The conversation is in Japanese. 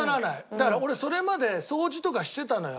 だから俺それまで掃除とかしてたのよ。